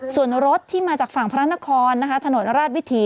ส่วนรถที่มาจากฝั่งพระนคร